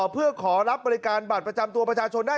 เพื่อขอรับบริการบัตรประจำตัวประชาชนได้